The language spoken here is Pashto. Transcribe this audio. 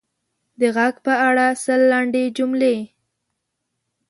د ږغ په اړه سل لنډې جملې: